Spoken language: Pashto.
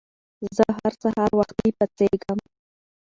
زه هر سهار وختي پاڅېږم.